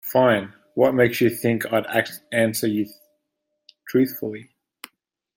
Fine, what makes you think I'd answer you truthfully?